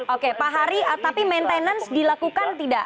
oke pak hari tapi maintenance dilakukan tidak